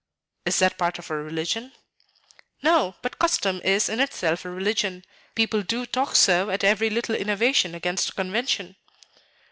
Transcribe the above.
"Is that part of our religion?" "No; but custom is in itself a religion. People do talk so at every little innovation against convention."